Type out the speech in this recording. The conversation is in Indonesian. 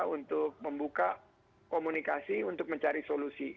untuk membuka komunikasi untuk mencari solusi